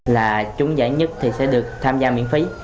là trúng giải nhất thì sẽ được tham gia miễn phí